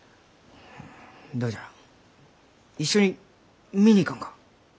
どうじゃ一緒に見に行かんか？